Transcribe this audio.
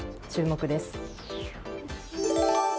注目です。